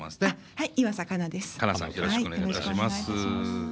はい。